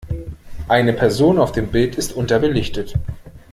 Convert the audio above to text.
Eine Person auf dem Bild ist unterbelichtet.